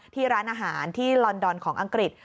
ที่ร้านอาหารที่ลอนดอนของอังกฤษ